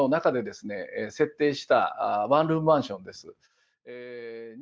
設定したワンルームマンションです。